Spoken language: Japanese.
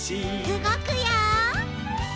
うごくよ！